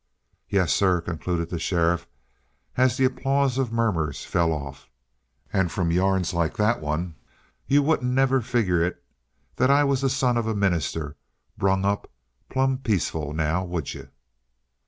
"Yes, sir," concluded the sheriff, as the applause of murmurs fell off. "And from yarns like that one you wouldn't never figure it that I was the son of a minister brung up plumb peaceful. Now, would you?"